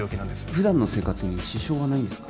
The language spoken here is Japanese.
普段の生活に支障はないんですか？